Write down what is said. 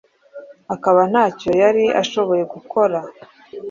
akaba ntacyo yari ashoboye gukora,